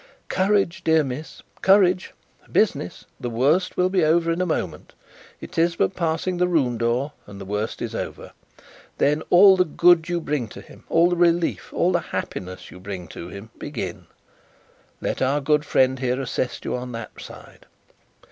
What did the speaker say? "Courage, dear miss! Courage! Business! The worst will be over in a moment; it is but passing the room door, and the worst is over. Then, all the good you bring to him, all the relief, all the happiness you bring to him, begin. Let our good friend here, assist you on that side.